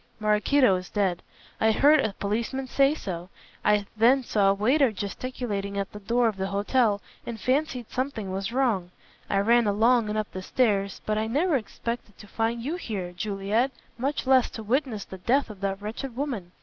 Maraquito is dead. I heard a policeman say so. I then saw a waiter gesticulating at the door of the hotel, and fancied something was wrong; I ran along and up the stairs. But I never expected to find you here, Juliet, much less to witness the death of that wretched woman."